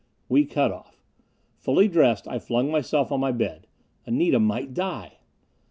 We cut off. Fully dressed, I flung myself on my bed. Anita might die....